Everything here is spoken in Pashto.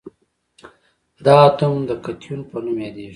دا اتوم د کتیون په نوم یادیږي.